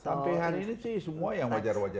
sampai hari ini sih semua yang wajar wajar